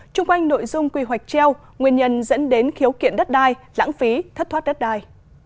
trung quanh nội dung quy hoạch treo nguyên nhân dẫn đến khiếu kiện đất đai lãng phí thất thoát đất đai